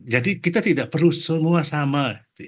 jadi kita tidak perlu semua sama